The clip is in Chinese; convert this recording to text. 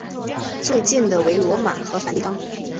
最近的为罗马和梵蒂冈。